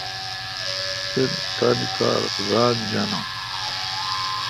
تین تان کار ران جانہ۔